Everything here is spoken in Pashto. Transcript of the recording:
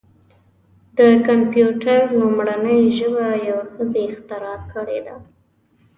د کمپیوټر لومړنۍ ژبه یوه ښځې اختراع کړې ده.